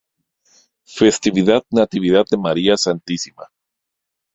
Festividad Natividad de María Santísima.